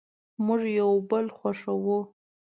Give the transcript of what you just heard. مونږ یو بل خوښوو